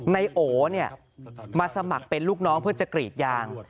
นายโอมาสมัครเป็นลูกน้องเพื่อจะกรีดยาง